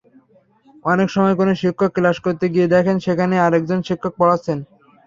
অনেক সময় কোনো শিক্ষক ক্লাস করতে গিয়ে দেখেন, সেখানে আরেকজন শিক্ষক পড়াচ্ছেন।